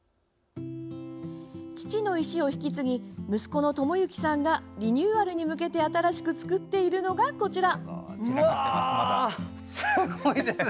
父の遺志を引き継ぎ息子の朋行さんがリニューアルに向けて新しく作っているのが、こちら。